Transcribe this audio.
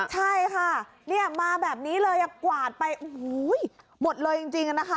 ใช่ค่ะมาแบบนี้เลยกวาดไปโอ้โหหมดเลยจริงนะคะ